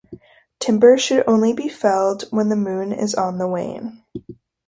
Timber should only be felled when the moon is on the wane.